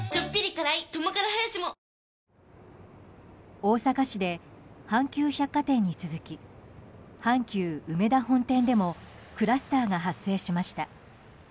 大阪市で阪急百貨店に続き阪急うめだ本店でもクラスターが発生しました。